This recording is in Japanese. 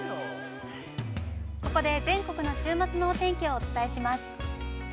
◆ここで全国の週末のお天気をお伝えします。